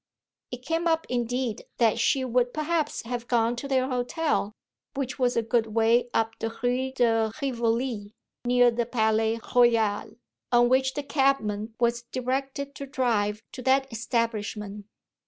It came up indeed that she would perhaps have gone to their hotel, which was a good way up the Rue de Rivoli, near the Palais Royal on which the cabman was directed to drive to that establishment.